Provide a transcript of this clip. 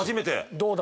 どうだ？